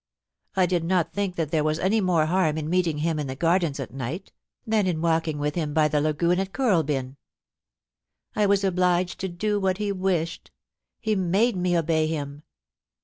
... I did not think that there was any more harm in meeting him in the Gardens at night, than in walking with him by the SAVED. 357 lagoon at Kooralbyn. I was obliged to do what he wished ; he made me obey him.